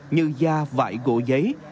như da vải gỗ giấy